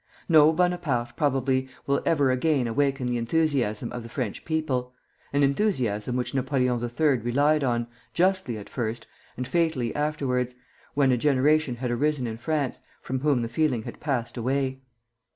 No Bonaparte, probably, will ever again awaken the enthusiasm of the French people, an enthusiasm which Napoleon III. relied on, justly at first, and fatally afterwards, when a generation had arisen in France, from whom the feeling had passed away.